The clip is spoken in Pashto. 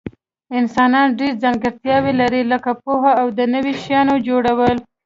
انسانان ډیر ځانګړتیاوي لري لکه پوهه او د نوي شیانو جوړول